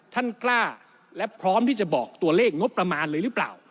ท่านกล้าและพร้อมที่จะบอกตัวเลขงบประมาณเลยหรือเปล่า